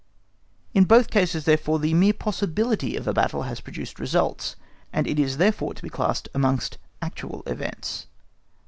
In both cases, therefore, the mere possibility of a battle has produced results, and is therefore to be classed amongst actual events.